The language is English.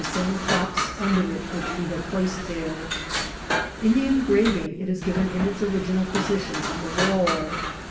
same props under it which we placed there. In the engraving it is given in its original position on the wall.